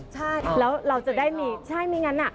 ใช่แล้วเราจะได้มีใช่ไม่งั้นอ่ะ